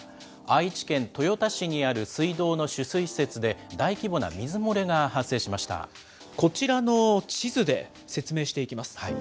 愛知県豊田市にある水道の取水施設で大規模な水漏れが発生しましこちらの地図で説明していきます。